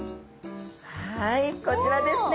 はいこちらですね。